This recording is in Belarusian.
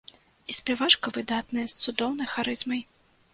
І спявачка выдатная, з цудоўнай харызмай.